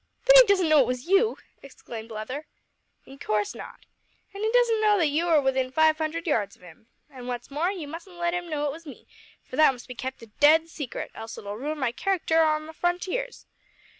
"Then he doesn't know it was you?" exclaimed Leather. "In course not. An' he doesn't know you are within five hundred yards of him. An' what's more, you mustn't let him know it was me, for that must be kept a dead secret, else it'll ruin my character on the frontiers.